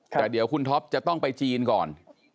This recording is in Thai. แต่เดี๋ยวคุณท็อปจะต้องไปจีนก่อน